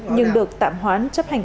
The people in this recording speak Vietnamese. nhưng được tạm hoán chấp hành